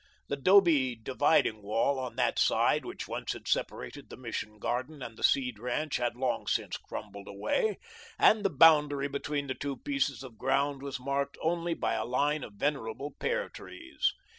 The 'dobe dividing wall on that side, which once had separated the Mission garden and the Seed ranch, had long since crumbled away, and the boundary between the two pieces of ground was marked only by a line of venerable pear trees.